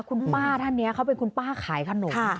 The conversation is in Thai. คุณป้าท่านนี้เขาเป็นคุณป้าขายขนม